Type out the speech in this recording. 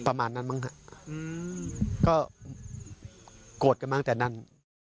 ประมาณนั้นมั้งครับก็โกรธกันมากจากนั้น